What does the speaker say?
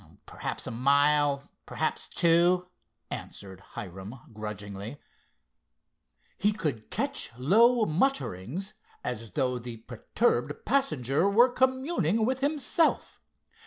"Perhaps a mile, perhaps two," answered Hiram grudgingly. He could catch low mutterings, as though the perturbed passenger were communing with himself.